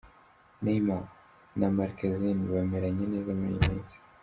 Neymar na Marquezine Bameranye neza muri iyi minsi.